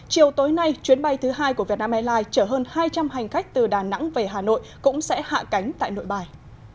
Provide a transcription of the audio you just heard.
chiều tối nay chuyến bay thứ hai của vietnam airlines chở hơn hai trăm linh hành khách từ đà nẵng về hà nội cũng sẽ hạ cánh tại nội bài